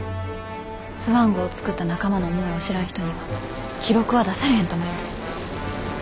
スワン号作った仲間の思いを知らん人には記録は出されへんと思います。